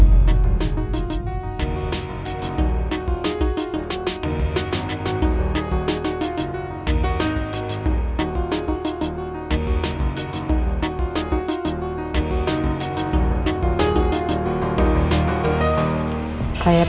tapi kalau pak raymond tidak mau berpengaruh